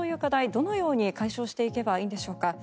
どのように解消していけばいいのでしょうか。